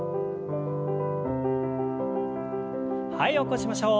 はい起こしましょう。